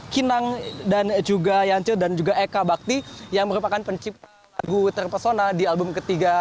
kinang dan juga yancu dan juga eka bakti yang merupakan pencipta lagu terpesona di album ketiga